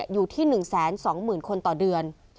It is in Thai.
อยู่ที่๑๒๐๐๐คนต่อเดือน